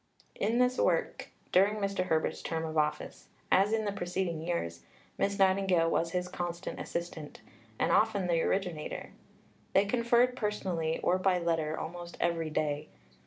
In this work, during Mr. Herbert's term of office, as in the preceding years, Miss Nightingale was his constant assistant, and often the originator. They conferred personally or by letter almost every day.